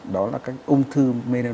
đó là cái ung thư melanoma